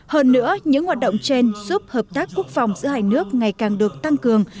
hơn nữa những hoạt động trên giúp hợp tác quốc phòng giữa hai nước ngày càng được tăng cường